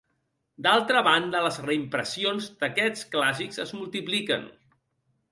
D'altra banda, les reimpressions d'aquests clàssics es multipliquen.